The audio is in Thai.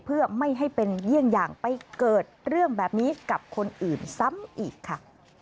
เพื่อไม่ให้เป็นเยี่ยงอย่างไปเกิดเรื่องแบบนี้กับคนอื่นซ้ำอีกค่ะ